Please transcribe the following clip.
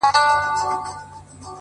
په دومره سپینو کي عجیبه انتخاب کوي’